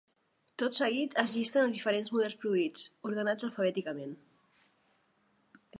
Tot seguit es llisten els diferents models produïts, ordenats alfabèticament.